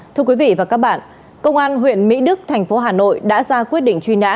thưa quý vị và các bạn công an huyện mỹ đức thành phố hà nội đã ra quyết định truy nã